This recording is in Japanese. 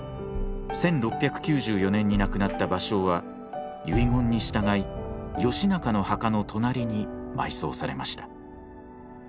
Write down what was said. １６９４年に亡くなった芭蕉は遺言に従い義仲の墓の隣に埋葬されました。